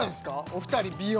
お二人美容